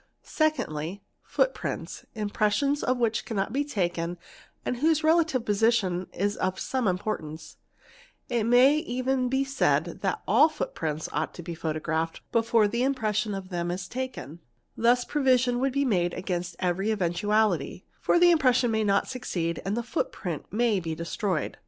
Secondly, footprints, _ impressions of which cannot be taken and whose relative position is of , some importance; it may even be said that all footprints ought to be mee erephed before the impression of them is taken; thus provision 'would be made against every eventuality, for the impression may not Bicsea and the footprint may be destroyed.